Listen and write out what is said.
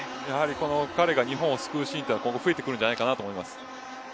彼が日本を救うシーンは今後増えてくると思います。